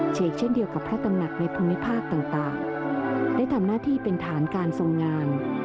เชกเช่นเดียวกับพระตำหนักในภูมิภาคต่างได้ทำหน้าที่เป็นฐานการทรงงาน